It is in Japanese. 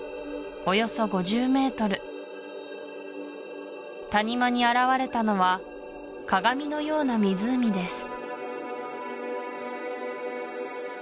およそ５０ｍ谷間に現れたのは鏡のような湖です